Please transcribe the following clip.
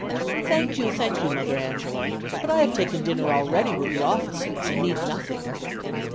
"Thank you, thank you, Mother Angela, but I have taken dinner already with the officers, and need nothing."